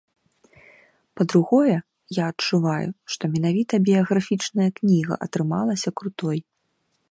Па-другое, я адчуваю, што менавіта біяграфічная кніга атрымалася крутой.